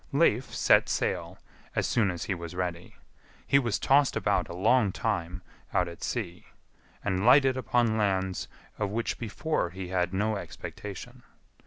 Leif set sail as soon as he was ready. He was tossed about a long time out at sea, and lighted upon lands of which before he had no expectation.